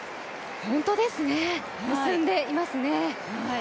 ホントですね、結んでいますね。